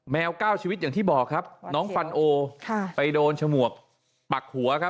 แมวก้าวชีวิตอย่างที่บอกน้องฟันโอไปโดนชมวกปักหัว